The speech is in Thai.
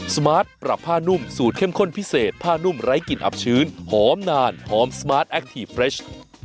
สมาร์ทปรับผ้านุ่มสูตรเข้มข้นพิเศษผ้านุ่มไร้กลิ่นอับชื้นหอมนานหอมสมาร์ทแอคทีฟเฟรช